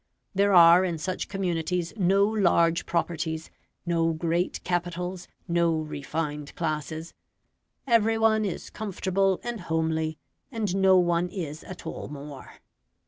There are in such communities no large properties, no great capitals, no refined classes every one is comfortable and homely, and no one is at all more.